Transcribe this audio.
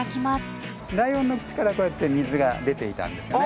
ライオンの口からこうやって水が出ていたんですね。